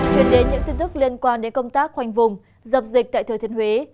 truyền đến những tin tức liên quan đến công tác khoanh vùng dập dịch tại thừa thiên huế